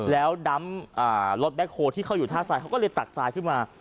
แล้วดำรถแบ็คโฮที่เขาอยู่ท่าทรายเขาก็เลยตักทรายขึ้นมา